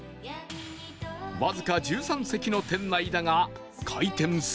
わずか１３席の店内だが開店すると